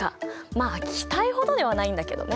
まあ気体ほどではないんだけどね。